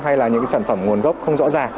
hay là những sản phẩm nguồn gốc không rõ ràng